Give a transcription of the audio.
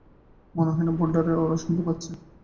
মনে হয় না বোল্ডারের ওরা শুনতে পাচ্ছে।